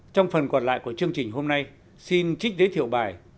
trong phần còn lại của chương trình hôm nay xin trích giới thiệu bài